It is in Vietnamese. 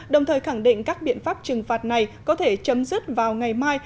đồng thời khẳng định các biện pháp trừng phạt này có thể chấm dứt vào ngày mai